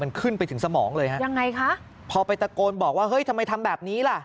มันขึ้นไปถึงสมองเลยฮะยังไงคะพอไปตะโกนบอกว่าเฮ้ยทำไมทำแบบนี้ล่ะ